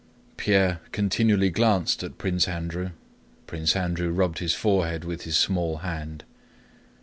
Pierre continually glanced at Prince Andrew; Prince Andrew rubbed his forehead with his small hand.